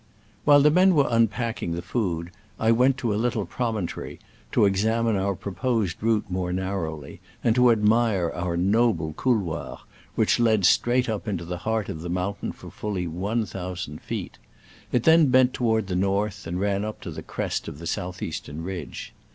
While the men were unpacking the food I went to a little promontory to examine our proposed route more nar rowly, and to admire our noble couloir, which led straight up into the heart of the mountain for fully one thousand feet. It then bent toward the north, and ran up to the crest of the south eastern ridge.